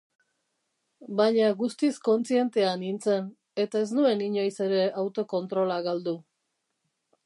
Baina guztiz kontzientea nintzen, eta ez nuen inoiz ere autokontrola galdu.